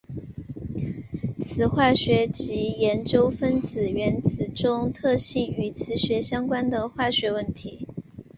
磁化学即研究分子原子中特性与磁学相关的化学问题。